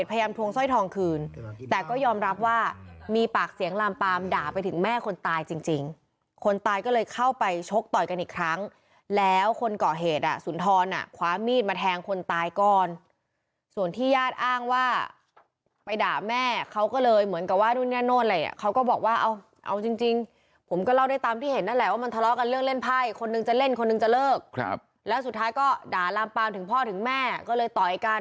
ถึงแม่คนตายจริงจริงคนตายก็เลยเข้าไปชกต่อยกันอีกครั้งแล้วคนก่อเหตุอ่ะสุนทรน่ะขวามีดมาแทงคนตายก้อนส่วนที่ญาติอ้างว่าไปด่าแม่เขาก็เลยเหมือนกับว่าดูเนี่ยโน่นอะไรอ่ะเขาก็บอกว่าเอาเอาจริงจริงผมก็เล่าได้ตามที่เห็นนั่นแหละว่ามันทะเลาะกันเรื่องเล่นไพ่คนหนึ่งจะเล่นคนหนึ่งจะเลิกครับแล้วสุดท้าย